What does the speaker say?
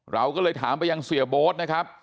เราก็เลยถามไปยังเสียโบ๊ทนะครับ